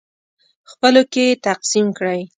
خپلو کې یې تقسیم کړئ.